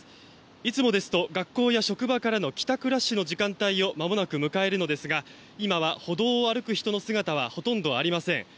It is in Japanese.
いつもですと、学校や職場からの帰宅ラッシュの時間帯をまもなく迎えるのですが今は、歩道を歩く人の姿はほとんどありません。